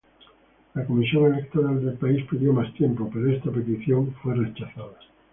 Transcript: La comisión electoral del país pidió más tiempo, pero esta petición fue rechazada.